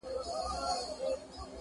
لا لرمه څو خبري اورېدو ته که څوک تم سي!